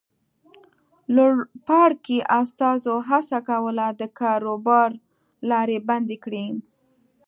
لوړپاړکي استازو هڅه کوله د کاروبار لارې بندې کړي.